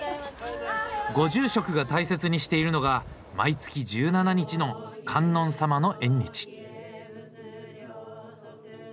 ご住職が大切にしているのが毎月１７日の観音様の縁日。